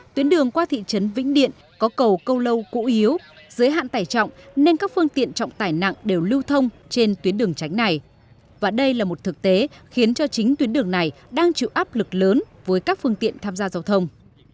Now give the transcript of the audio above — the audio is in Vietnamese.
tuyến đường qua thị trấn vĩnh điện có cầu câu lâu cũ yếu giới hạn tải trọng nên các phương tiện trọng tải nặng đều lưu thông trên tuyến đường tránh này và đây là một thực tế khiến cho chính tuyến đường này đang chịu áp lực lớn với các phương tiện tham gia giao thông